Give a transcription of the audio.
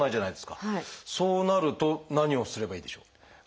そうなると何をすればいいでしょう？